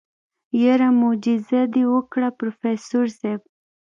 يره موجيزه دې وکړه پروفيسر صيب.